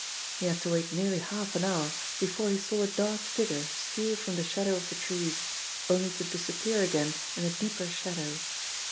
He had to wait nearly half an hour before he saw a dark figure steal from the shadow of the trees, only to disappear again in a deeper shadow.